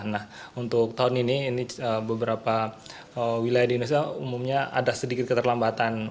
nah untuk tahun ini ini beberapa wilayah di indonesia umumnya ada sedikit keterlambatan